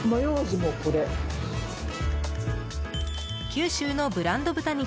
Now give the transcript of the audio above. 九州のブランド豚肉